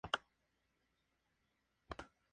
Las raíces se cosechan durante el otoño y se secan.